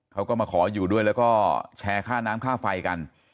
เขาก็มาขออยู่ด้วยแล้วก็แชร์ค่าน้ำค่าไฟกัน